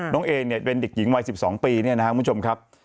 น้องเอเนี่ยเป็นเด็กหญิงวัย๑๒ปีเนี่ยนะครับคุณผู้ชมครับ